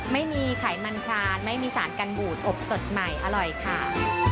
ไม่มีไขมันพรานไม่มีสารกันบูดอบสดใหม่อร่อยค่ะ